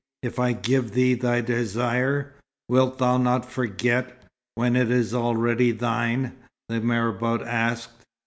If I give thee thy desire, wilt thou not forget, when it is already thine?" the marabout asked.